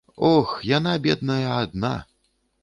Ох, яна, бедная, адна.